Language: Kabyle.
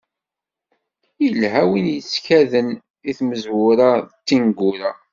Ilha win yettkaden i tmezwura d tneggura.